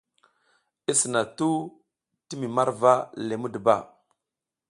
I sina tuh ti mi marva le muduba.